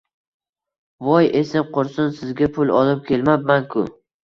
Vo-o-y, esim qursin, sizga pul olib kelmabman-ku